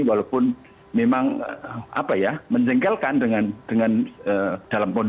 saya berpikirnya itu adalah hal yang harus diperlukan